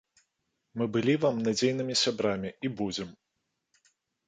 Мы былі вам надзейнымі сябрамі і будзем.